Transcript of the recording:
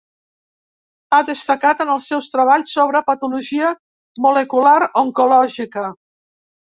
Ha destacat en els seus treballs sobre patologia molecular oncològica.